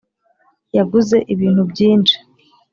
Yaguze ibintu byinshi